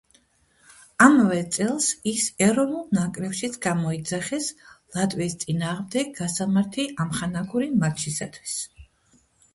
ამავე წელს ის ეროვნულ ნაკრებშიც გამოიძახეს ლატვიის წინააღმდეგ გასამართი ამხანაგური მატჩისათვის.